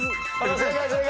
正解。